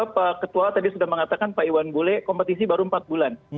pak ketua tadi sudah mengatakan pak iwan bule kompetisi baru empat bulan